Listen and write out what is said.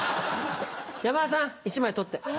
山田さん１枚取って。